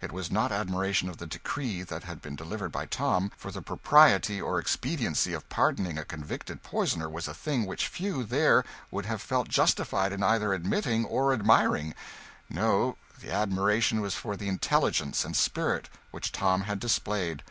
It was not admiration of the decree that had been delivered by Tom, for the propriety or expediency of pardoning a convicted poisoner was a thing which few there would have felt justified in either admitting or admiring no, the admiration was for the intelligence and spirit which Tom had displayed.